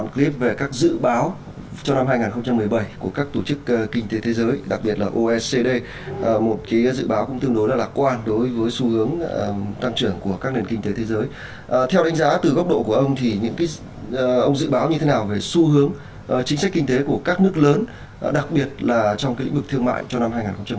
các doanh nghiệp có thể thay đổi xu hướng chính sách kinh tế của các nước lớn đặc biệt là trong lĩnh vực thương mại cho năm hai nghìn một mươi bảy